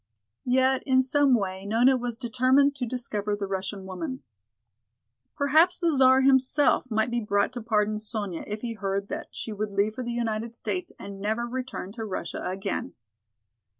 Yet in some way Nona was determined to discover the Russian woman. Perhaps the Czar himself might be brought to pardon Sonya if he heard that she would leave for the United States and never return to Russia again.